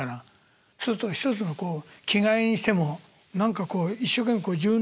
そうすると一つの着替えにしても何かこう一生懸命自分の。